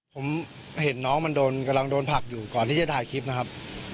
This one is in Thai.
ผมเห็นน้องมันโดนกำลังโดนผักอยู่ก่อนที่จะถ่ายคลิปนะครับ